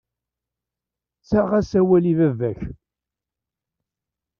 Ttaɣ-as awal i baba-k.